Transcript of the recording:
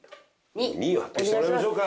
２位を発表してもらいましょうか。